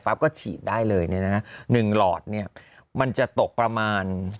ปั๊บก็ฉีดได้เลย๑หลอดมันจะตกประมาณ